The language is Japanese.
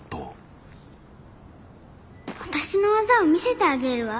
私の技を見せてあげるわ。